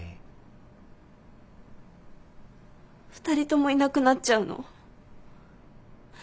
２人ともいなくなっちゃうの？